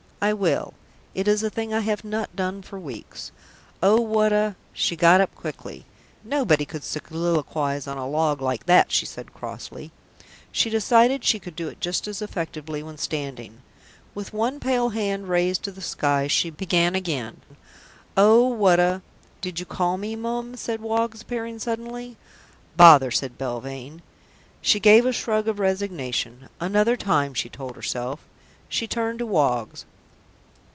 I will. It is a thing I have not done for weeks. 'Oh, what a " She got up quickly. "Nobody could soliloquise on a log like that," she said crossly. She decided she could do it just as effectively when standing. With one pale hand raised to the skies she began again. "Oh, what a " "Did you call me, Mum?" said Woggs, appearing suddenly. "Bother!" said Belvane. She gave a shrug of resignation. "Another time," she told herself. She turned to Woggs.